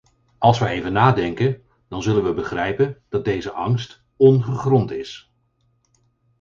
Als wij even nadenken, dan zullen we begrijpen dat deze angst ongegrond is.